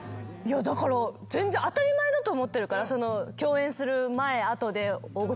だから当たり前だと思ってるから。